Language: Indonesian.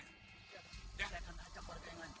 ya saya akan ajak warga yang lain